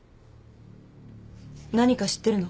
何か知ってるの？